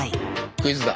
クイズだ。